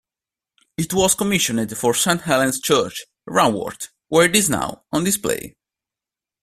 It was commissioned for Saint Helen's Church, Ranworth, where it is now on display.